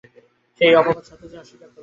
সে এই অপবাদ সতেজে অস্বীকার করিল।